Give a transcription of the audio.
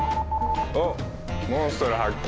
おモンストロ発見！